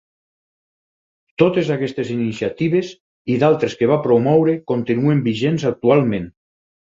Totes aquestes iniciatives i d'altres que va promoure continuen vigents actualment.